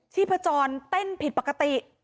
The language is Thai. ชีพจรเต้นผิดปกติ